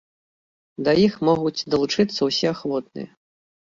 Да іх могуць далучыцца ўсе ахвотныя.